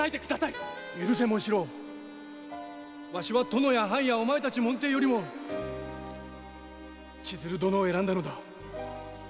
〔許せ紋四郎わしは殿や藩やお前たち門弟よりも千鶴殿を選んだのだ〕